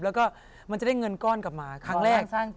แล้วก็มันจะได้เงินก้อนกลับมาครั้งแรก